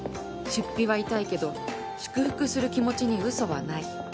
出費は痛いけど祝福する気持ちに嘘はない。